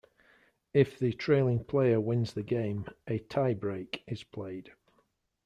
If the trailing player wins the game, a "tie-break" is played.